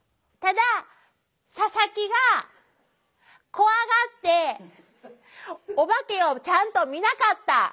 ただ佐々木が怖がってオバケをちゃんと見なかった。